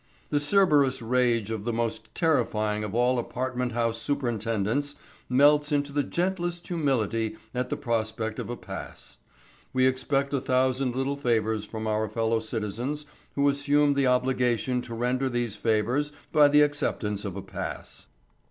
The Cerberus rage of the most terrifying of all apartment house superintendents melts into the gentlest humility at the prospect of a pass. We expect a thousand little favours from our fellow citizens who assume the obligation to render these favours by the acceptance of a pass.